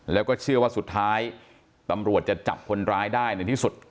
แล้วก็เชื่อว่าสุดท้ายตำรวจจะจับคนร้ายได้ในที่สุด